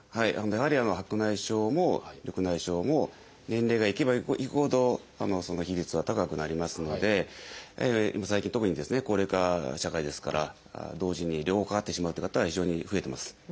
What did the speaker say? やはり白内障も緑内障も年齢がいけばいくほどその比率は高くなりますので最近特にですね高齢化社会ですから同時に両方かかってしまうという方が非常に増えてます。